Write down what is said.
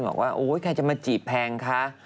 เลยบอกว่าใครจะมาจีบแพงคะ